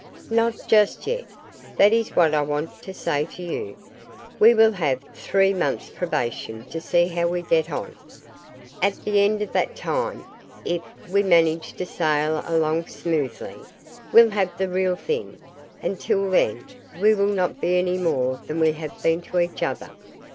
"Not just yet; that is what I want to say to you. We will have three months' probation to see how we get on. At the end of that time, if we manage to sail along smoothly, we'll have the real thing; until then we will not be any more than we have been to each other."